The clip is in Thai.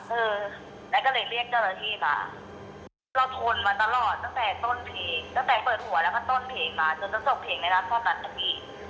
เออแล้วก็เลยเรียกเจ้าหน้าที่มาเราทนมาตลอดตั้งแต่ต้นเพลงตั้งแต่เปิดหัวแล้วก็ต้นเพลงมาจนจะจบเพลงได้รับความรักค่ะพี่